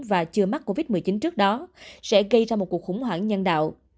và chưa mắc covid một mươi chín trước đó sẽ gây ra một cuộc khủng hoảng nhân đạo